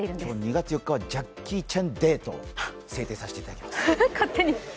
今日２月４日はジャッキー・チェンデーと制定させていただきます。